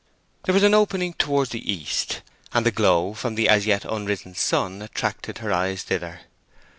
There was an opening towards the east, and the glow from the as yet unrisen sun attracted her eyes thither.